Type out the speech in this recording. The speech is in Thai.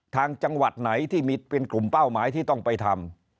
จังหวัดไหนที่มีเป็นกลุ่มเป้าหมายที่ต้องไปทำ